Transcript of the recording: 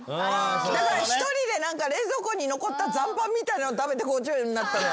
だから１人で冷蔵庫に残った残飯みたいの食べて５０になった。